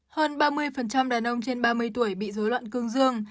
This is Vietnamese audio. hơn ba mươi đàn ông trên ba mươi tuổi bị dối loạn cương dương